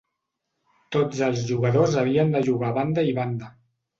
Tots els jugadors havien de jugar a banda i banda.